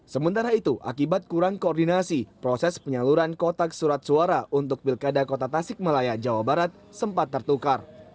sementara itu akibat kurang koordinasi proses penyaluran kotak surat suara untuk pilkada kota tasik malaya jawa barat sempat tertukar